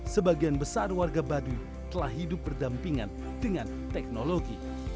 sebagian besar warga baduy telah hidup berdampingan dengan teknologi